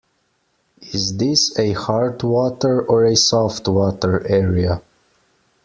Is this a hard water or a soft water area?